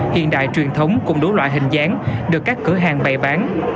hiện đại truyền thống cùng đủ loại hình dáng được các cửa hàng bày bán